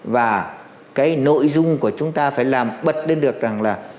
và cái nội dung của chúng ta phải làm bật lên được rằng là